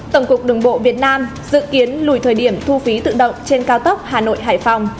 tổng cục đường bộ việt nam dự kiến lùi thời điểm thu phí tự động trên cao tốc hà nội hải phòng